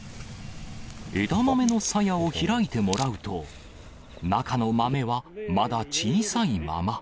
枝豆のさやを開いてもらうと、中の豆はまだ小さいまま。